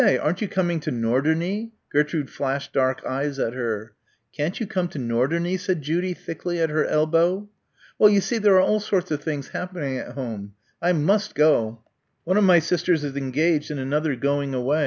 Aren't you coming to Norderney?" Gertrude flashed dark eyes at her. "Can't you come to Norderney?" said Judy thickly, at her elbow. "Well, you see there are all sorts of things happening at home. I must go. One of my sisters is engaged and another going away.